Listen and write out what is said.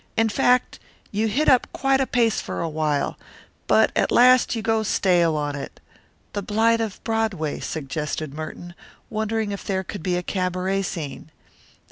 In fact, you hit up quite a pace for awhile; but at last you go stale on it " "The blight of Broadway," suggested Merton, wondering if there could be a cabaret scene.